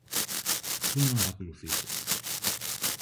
Πού να μας ακολουθήσει;